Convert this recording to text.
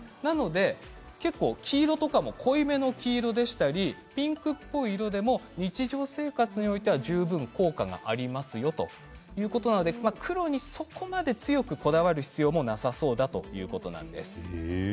結構、黄色とか濃いめの黄色でしたりピンクっぽい色でも日常生活においては十分効果がありますよということなので黒にそこまで強くこだわる必要もなさそうだということなんです。